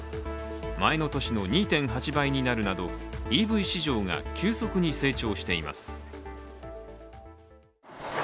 前の年の２．８倍になるなどＥＶ市場が急速に成長しています。